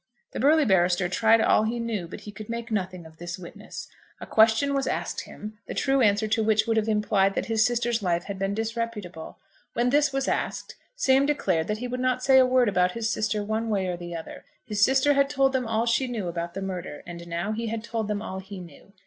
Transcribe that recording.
The burly barrister tried all he knew, but he could make nothing of this witness. A question was asked him, the true answer to which would have implied that his sister's life had been disreputable. When this was asked Sam declared that he would not say a word about his sister one way or the other. His sister had told them all she knew about the murder, and now he had told them all he knew.